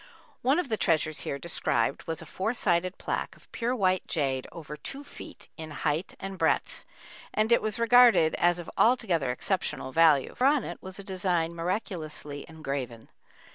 One of the treasures here described was a four sided plaque of pure white jade over two feet in height and breadth, and it was regarded as of altogether exceptional value, for on it was a design miraculously engraven.